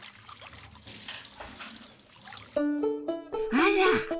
あら！